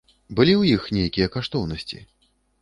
Былі ў іх нейкія каштоўнасці?